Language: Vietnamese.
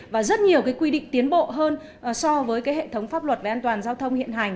và rất nhiều cái quy định tiến bộ hơn so với cái hệ thống pháp luật về an toàn giao thông hiện hành